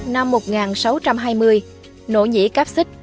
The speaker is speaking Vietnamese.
năm một nghìn sáu trăm hai mươi nỗ nhĩ cáp xích